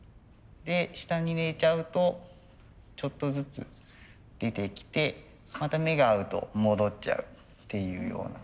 で下に寝ちゃうとちょっとずつ出てきてまた目が合うと戻っちゃうっていうような。